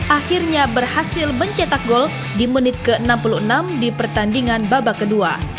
akhirnya berhasil mencetak gol di menit ke enam puluh enam di pertandingan babak kedua